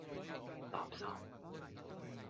垃圾!